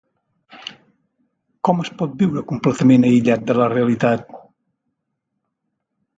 Com es pot viure completament aïllat de la realiat?